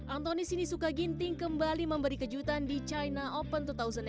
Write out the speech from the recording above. antoni sinisuka ginting kembali memberi kejutan di china open dua ribu delapan belas